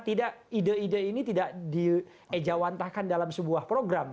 tidak ide ide ini tidak diejawantakan dalam sebuah program